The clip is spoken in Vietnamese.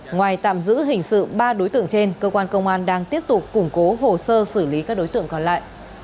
ngoài tạm giữ hình sự ba đối tượng trên cơ quan công an đang tiếp tục củng cố hồ sơ xử lý các đối tượng còn lại